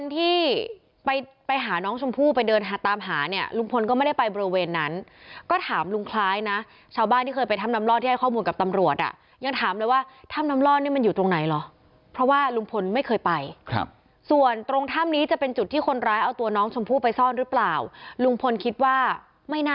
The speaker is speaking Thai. ที่ไปไปหาน้องชมพู่ไปเดินหาตามหาเนี่ยลุงพลก็ไม่ได้ไปบริเวณนั้นก็ถามลุงคล้ายนะชาวบ้านที่เคยไปถ้ำน้ำลอดที่ให้ข้อมูลกับตำรวจอ่ะยังถามเลยว่าถ้ำน้ำลอดเนี่ยมันอยู่ตรงไหนเหรอเพราะว่าลุงพลไม่เคยไปครับส่วนตรงถ้ำนี้จะเป็นจุดที่คนร้ายเอาตัวน้องชมพู่ไปซ่อนหรือเปล่าลุงพลคิดว่าไม่น่า